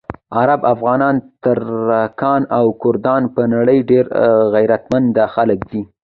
عرب، افغانان، ترکان او کردان په نړۍ ډېر غیرتمند خلک دي.